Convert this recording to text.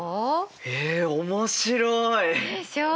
え面白い！でしょう？